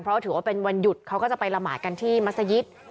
เพราะถือว่าเป็นวันหยุดเขาก็จะไปละหมาดกันที่มัศยิต